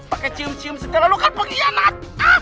pake cium cium setia lalu kan penghianat